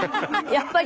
やっぱり。